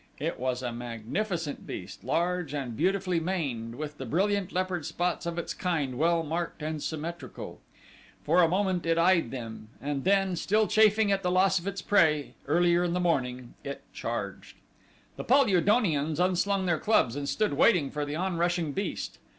It was a magnificent beast, large and beautifully maned, with the brilliant leopard spots of its kind well marked and symmetrical. For a moment it eyed them and then, still chafing at the loss of its prey earlier in the morning, it charged. The Pal ul donians unslung their clubs and stood waiting the onrushing beast.